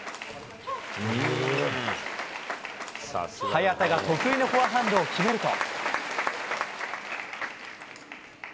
早田が得意のフォアハンドを決めると。